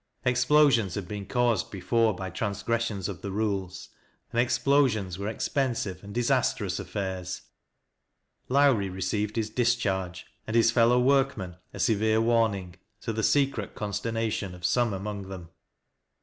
Explosions had been caused before by transgressions of the rules, and explosions were expensive and disastrous affairs. Lowrie received his dis charge, and his fellow workmen a severe warning, to the secret consternation of some among them.